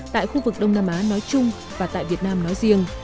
tại khu vực đông nam á nói chung và tại việt nam nói riêng